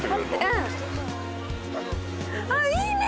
うんあっいいね！